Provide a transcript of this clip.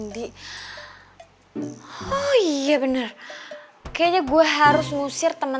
toh terseleluse sekarang semuanya